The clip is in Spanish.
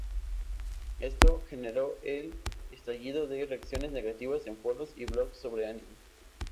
Esto, generó el estallido de reacciones negativas en foros y blogs sobre anime.